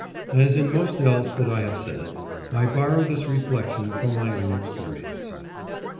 As in most else that I have said, I borrow this reflection from my own experience.